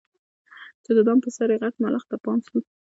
چي د دام پر سر یې غټ ملخ ته پام سو